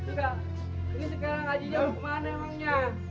ini sekarang hajija mau kemana emangnya